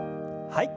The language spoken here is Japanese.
はい。